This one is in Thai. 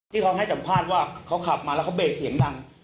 ที่เขาให้สัมภาษณ์ว่าเขาขับมาแล้วเขาเบรกเสียงดัง